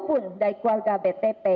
maupun dari keluarga btp